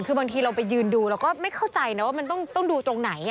คือบางทีเราไปยืนดูเราก็ไม่เข้าใจนะว่ามันต้องดูตรงไหน